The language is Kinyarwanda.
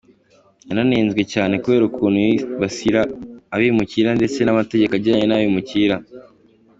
Yananenzwe cyane kubera ukuntu yibasira abimukira ndetse n'amategeko ajyanye n'abimukira.